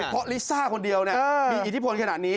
เพราะลิซ่าคนเดียวมีอิทธิพลขนาดนี้